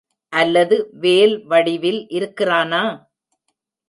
அல்லது வேல் வடிவில் இருக்கிறானா?